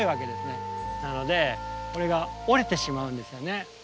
なのでこれが折れてしまうんですよね。